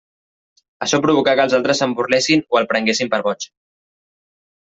Això provocà que els altres se'n burlessin o el prenguessin per boig.